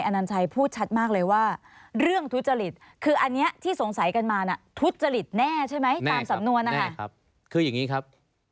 แน่ครับคืออย่างนี้ครับ